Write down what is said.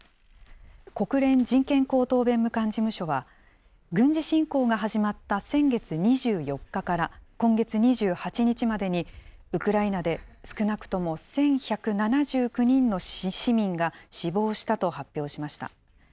国連人権高等弁務官事務所は、軍事侵攻が始まった先月２４日から今月２８日までにウクライナで少なくとも１１７９人の市民が死亡したと発表しました。